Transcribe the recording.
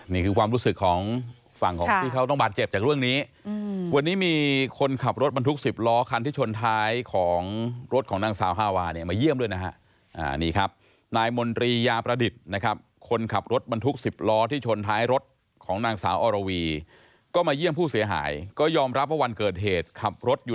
นี่คือความรู้สึกของฝั่งของที่เขาต้องบาดเจ็บจากเรื่องนี้วันนี้มีคนขับรถบรรทุก๑๐ล้อคันที่ชนท้ายของรถของนางสาวฮาวาเนี่ยมาเยี่ยมด้วยนะฮะนี่ครับนายมนตรียาประดิษฐ์นะครับคนขับรถบรรทุก๑๐ล้อที่ชนท้ายรถของนางสาวอรวีก็มาเยี่ยมผู้เสียหายก็ยอมรับว่าวันเกิดเหตุขับรถอยู่